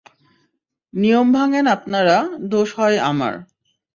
নিয়ম ভাঙ্গেন আপনারা, দোষ হয় আমার।